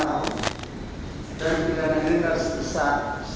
dan tidak dihindar sebesar